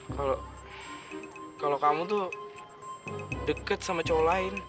kalau kamu tuh deket sama cowok lain